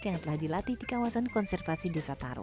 yang telah dilatih di kawasan konservasi desa taro